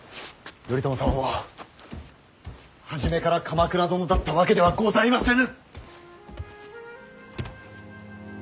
頼朝様も初めから鎌倉殿だったわけではございませぬ！